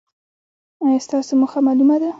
ایا ستاسو موخه معلومه ده؟